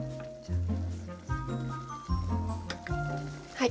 はい。